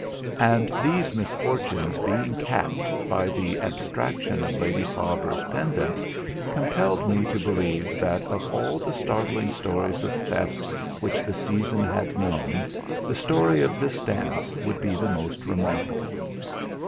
And these misfortunes, being capped by the abstraction of Lady Faber's pendant, compelled me to believe that of all the startling stories of thefts which the season had known the story of this dance would be the most remarkable.